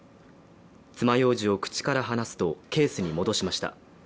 爪楊枝を口から離すとケースに戻しました。